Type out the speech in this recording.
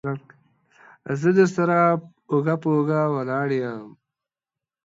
زه درسره اوږه په اوږه ولاړ يم.